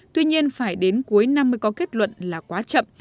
tuy nhiên phải đến cuối năm mới có kết luận là quá chậm